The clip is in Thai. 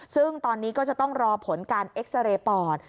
ซึ่งตอนนี้ก็จะต้องรอผลการเอ็กซาเรย์ปอด